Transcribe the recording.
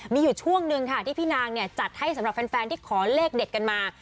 มีอยู่ช่วงนึงค่ะที่พี่นางจัดให้สำหรับแฟนที่ขอเลขเด็ดกันมา